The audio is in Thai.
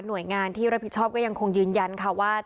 โดยงานที่รับผิดชอบก็ยังคงยืนยันค่ะว่า